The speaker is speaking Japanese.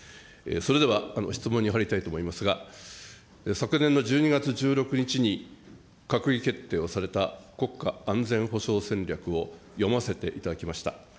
それでは質問に入りたいと思いますが、昨年の１２月１６日に閣議決定をされた国家安全保障戦略を読ませていただきました。